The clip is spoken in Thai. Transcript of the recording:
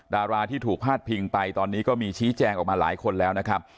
ดาราที่ถูกพาดพิงไปตอนนี้ก็มีชี้แจงออกมาหลายคนแล้วนะครับ